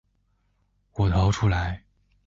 我逃出来